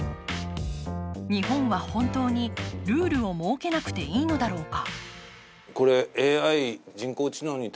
日本は本当にルールを設けなくていいのだろうか？